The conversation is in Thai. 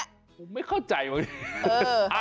ผมไม่เข้าใจมั้ง